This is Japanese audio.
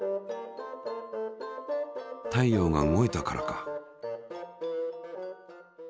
太陽が動いたからか。